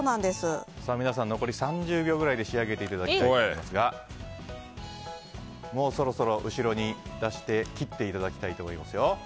皆さん残り３０秒ぐらいで仕上げていただきたいと思いますが、そろそろ後ろに出して切っていただきたいと思います。